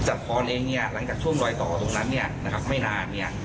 พรเองเนี่ยหลังจากช่วงรอยต่อตรงนั้นเนี่ยนะครับไม่นานเนี่ย